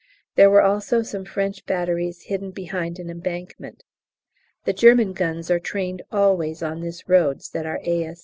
There were also some French batteries hidden behind an embankment. "The German guns are trained always on this road," said our A.